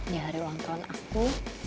di hari ulang tahun aku